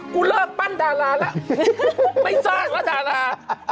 กูเลิกปั้นดาราแล้วไม่ทราบว่าดารา